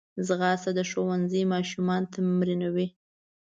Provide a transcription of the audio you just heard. ځغاسته د ښوونځي ماشومان تمرینوي